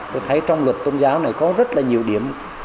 tôi thấy trong luật tôn giáo này có rất là nhiều điểm